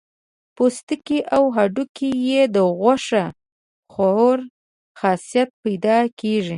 پوستکي او هډونو کې یې د غوښه خور خاصیت پیدا کېږي.